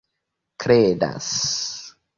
kredas